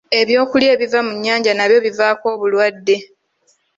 Ebyokulya ebiva mu nnyanja nabyo bivaako obulwadde.